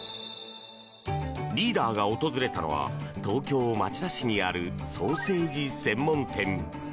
リーダーが訪れたのは東京・町田市にあるソーセージ専門店。